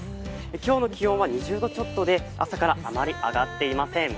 今日の気温は２０度ちょっとで朝からあまり上がっていません。